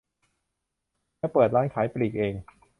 และเปิดร้านขายปลีกเอง